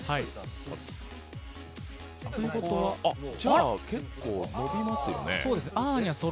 じゃあ結構伸びますよね。